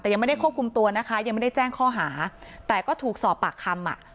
แต่ยังไม่ได้ควบคุมตัวนะคะยังไม่ได้แจ้งข้อหาแต่ก็ถูกสอบปากคำอ่ะ